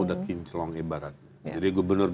sudah kinclong ibarat jadi gubernur